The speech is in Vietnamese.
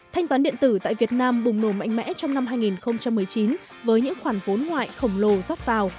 thanh toán điện tử tại việt nam bùng nổ mạnh mẽ trong năm hai nghìn một mươi chín với những khoản vốn ngoại khổng lồ rót vào